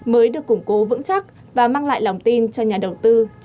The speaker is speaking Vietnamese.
mới được củng cố vững chắc và mang lại lòng tin cho nhà đầu tư trong thời gian tới